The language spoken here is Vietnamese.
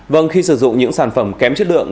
vâng khi sử dụng những sản phẩm kém chất lượng